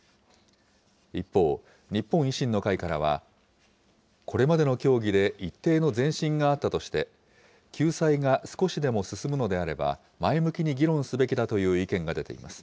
一方、日本維新の会からは、これまでの協議で一定の前進があったとして、救済が少しでも進むのであれば、前向きに議論すべきだという意見が出ています。